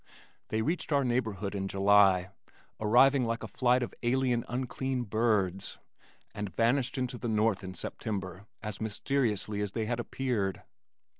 They reached our neighborhood in July, arriving like a flight of alien unclean birds, and vanished into the north in September as mysteriously as they had appeared.